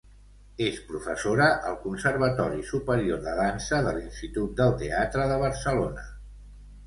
És professora al Conservatori Superior de Dansa de l'Institut del Teatre de Barcelona.